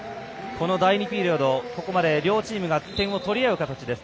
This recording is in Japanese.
この第２ピリオド、ここまで両チームが点を取り合う形です。